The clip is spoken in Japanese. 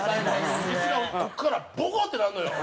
イスがここからボコッ！ってなるのよ。